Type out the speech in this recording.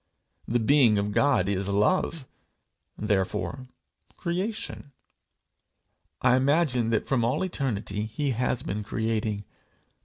The being of God is love, therefore creation. I imagine that from all eternity he has been creating.